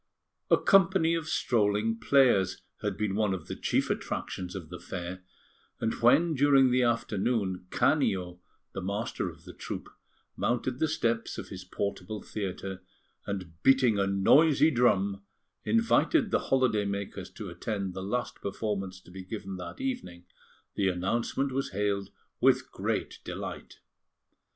A company of strolling players had been one of the chief attractions of the fair; and when during the afternoon, Canio, the master of the troupe, mounted the steps of his portable theatre, and, beating a noisy drum, invited the holiday makers to attend the last performance to be given that evening, the announcement was hailed with great delight.